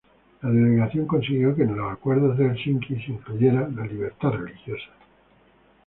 La Delegación consiguió que en los Acuerdos de Helsinki se incluyera la libertad religiosa.